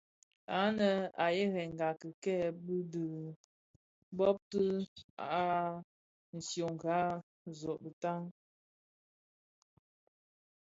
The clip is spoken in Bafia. Ànë à yerênga rikêê di bôbti, à syongà zɔng itan.